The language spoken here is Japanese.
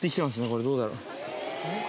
これどうだろう